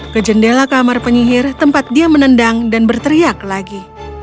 ke jendela kamar penyihir tempat dia menendang dan berteriak lagi